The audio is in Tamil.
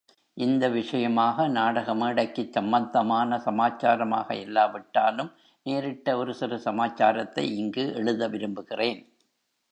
இந்த விஷயமாக, நாடக மேடைக்குச் சம்பந்தமான சமாச்சாரமாக இல்லாவிட்டாலும், நேரிட்ட ஒரு சிறு சமாச்சாரத்தை இங்கு எழுத விரும்புகிறேன்.